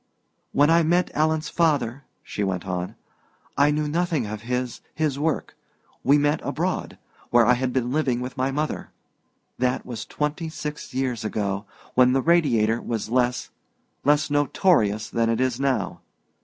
"When I met Alan's father," she went on, "I knew nothing of his his work. We met abroad, where I had been living with my mother. That was twenty six years ago, when the Radiator was less less notorious than it is now.